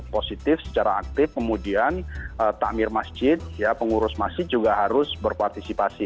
positif secara aktif kemudian takmir masjid ya pengurus masjid juga harus berpartisipasi